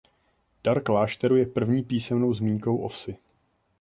Dar klášteru je první písemnou zmínkou o vsi.